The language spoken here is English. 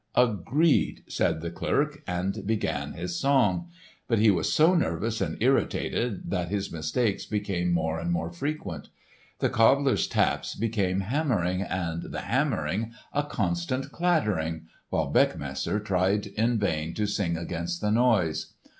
"Agreed," said the clerk, and began his song. But he was so nervous and irritated that his mistakes became more and more frequent. The cobbler's taps became hammering, and the hammering a constant clattering, while Beckmesser tried in vain to sing against the noise.